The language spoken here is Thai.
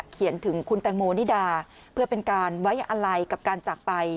เขียนถึงคุณแตงโมนิดาเพื่อเป็นการไว้อะไรกับการจากไป